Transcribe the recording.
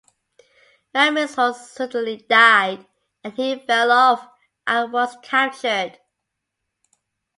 Ran Min's horse suddenly died, and he fell off and was captured.